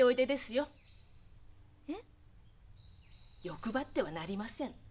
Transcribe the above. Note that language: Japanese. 欲張ってはなりません。